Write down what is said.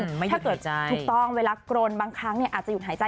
ถ้าเกิดถูกต้องเวลากรนบางครั้งอาจจะหยุดหายใจ